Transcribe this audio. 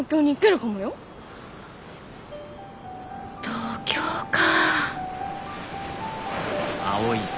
東京か。